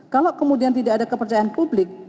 kalau kemudian tidak ada kepercayaan publik